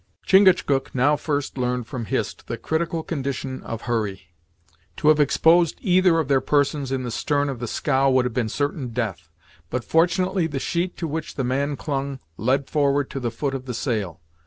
Chingachgook now first learned from Hist the critical condition of Hurry. To have exposed either of their persons in the stern of the scow would have been certain death, but fortunately the sheet to which the man clung led forward to the foot of the sail.